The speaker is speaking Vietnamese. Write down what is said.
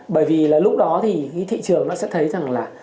bởi vì lúc đó thì thị trường sẽ thấy rằng là